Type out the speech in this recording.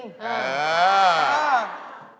เออเออ